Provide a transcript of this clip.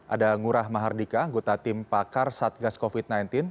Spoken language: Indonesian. ada ngurah mahardika anggota tim pakar satgas covid sembilan belas